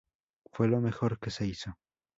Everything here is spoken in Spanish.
Fue lo mejor que se hizo.